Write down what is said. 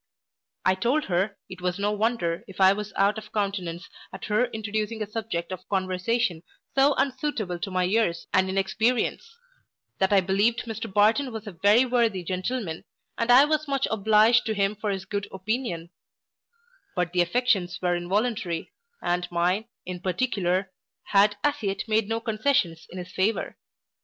I told her, it was no wonder if I was out of countenance at her introducing a subject of conversation so unsuitable to my years and inexperience; that I believed Mr Barton was a very worthy gentleman, and I was much obliged to him for his good opinion; but the affections were involuntary, and mine, in particular, had as yet made no concessions in his favour.